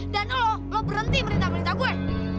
dan lo lo berhenti merintah merintah gue